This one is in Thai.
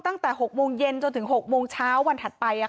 ตั้งแต่๖โมงเย็นจนถึง๖โมงเช้าวันถัดไป